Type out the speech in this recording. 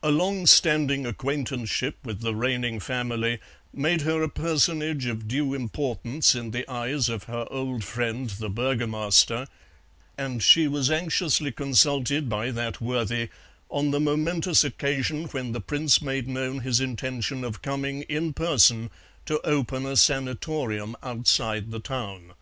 A long standing acquaintanceship with the reigning family made her a personage of due importance in the eyes of her old friend the Burgomaster, and she was anxiously consulted by that worthy on the momentous occasion when the Prince made known his intention of coming in person to open a sanatorium outside the town.